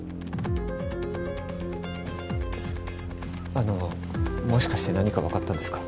あのもしかして何かわかったんですか？